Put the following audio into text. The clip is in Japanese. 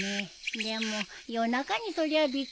でも夜中にそれはびっくりするね。